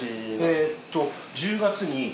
１０月に。